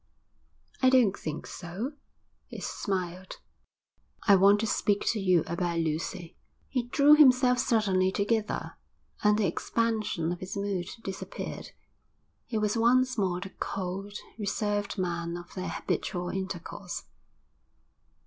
'I don't think so,' he smiled. 'I want to speak to you about Lucy.' He drew himself suddenly together, and the expansion of his mood disappeared. He was once more the cold, reserved man of their habitual intercourse.